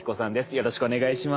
よろしくお願いします。